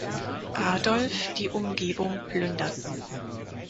Adolf die Umgebung plünderten.